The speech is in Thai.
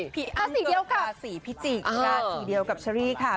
พี่อ้ำเกิดราสีพิจิกราสีเดียวกับเชอรี่ค่ะ